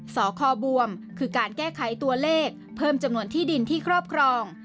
สคบวมคือการแก้ไขตัวเลขเพิ่มจำนวนที่ดินที่ครอบครอง